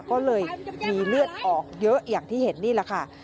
ก็เลยมีเลือดออกเยอะอย่างที่เห็นนี่แหละค่ะ